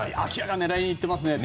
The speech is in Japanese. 狙いに行ってますね。